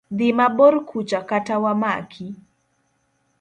Dhi mabor kucha kata wamaki.